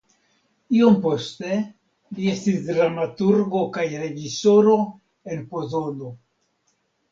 Iom poste li estis dramaturgo kaj reĝisoro en Pozono.